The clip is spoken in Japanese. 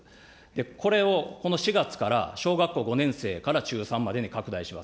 これをこの４月から、小学校５年生から中３までに拡大します。